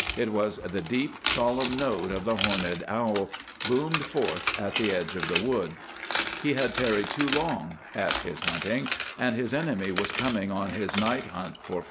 It was the deep, solemn note of the horned owl, boomed forth at the edge of the wood. He had tarried too long at his hunting, and his enemy was coming on his night hunt for food.